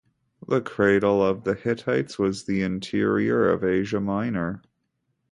The cradle of the Hittites was in the interior of Asia Minor.